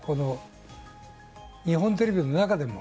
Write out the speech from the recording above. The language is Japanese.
日本テレビの中でも。